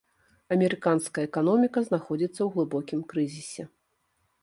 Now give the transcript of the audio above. Амерыканская эканоміка знаходзіцца ў глыбокім крызісе.